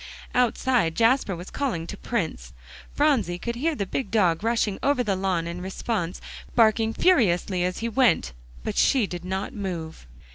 Outside, Jasper was calling to Prince. Phronsie could hear the big dog rushing over the lawn in response, barking furiously as he went. But she did not move.